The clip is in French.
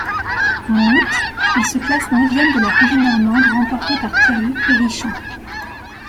En août, il se classe neuvième de la Polynormande remportée par Pierre-Luc Périchon.